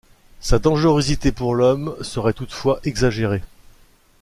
Sa dangerosité pour l'Homme serait toutefois exagérée.